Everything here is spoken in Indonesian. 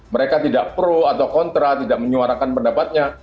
mereka tidak pro atau kontra tidak menyuarakan pendapatnya